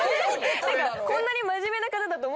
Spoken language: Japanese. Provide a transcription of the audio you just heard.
こんなに真面目な方だと。